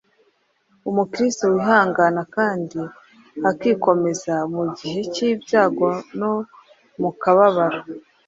Umukristo wihangana kandi akikomeza mu gihe cy’ibyago no mu kababaro